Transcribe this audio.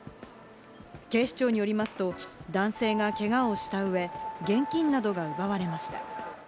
警視庁によりますと、男性がけがをした上、現金などが奪われました。